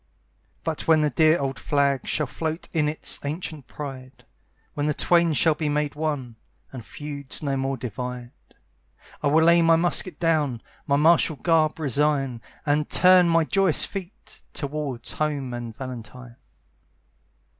But when the dear old flag Shall float in its ancient pride, When the twain shall be made one, And feuds no more divide, I will lay my musket down, My martial garb resign, And turn my joyous feet Toward home and Valentine.